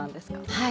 はい。